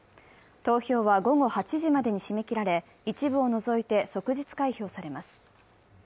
投票は午後８時までに締め切られ一部を除いて即日開票されます。